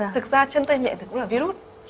thực ra chân tay miệng thì cũng là virus